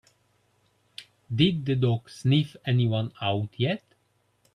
Did the dog sniff anyone out yet?